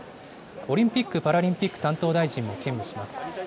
オリンピック・パラリンピック担当大臣も兼務します。